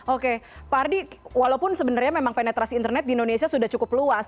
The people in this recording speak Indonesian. oke pak ardi walaupun sebenarnya memang penetrasi internet di indonesia sudah cukup luas